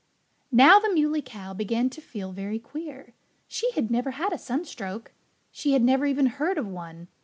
Now, the Muley Cow began to feel very queer. She had never had a sunstroke; she had never even heard of one.